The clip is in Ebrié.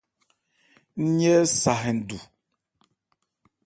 Ńnyɛ sa hɛn du.